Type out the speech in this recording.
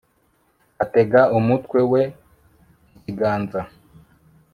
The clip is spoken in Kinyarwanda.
atega umutwe we ikiganza